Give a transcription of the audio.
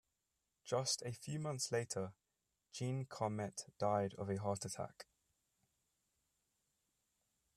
Just a few months later, Jean Carmet died of a heart attack.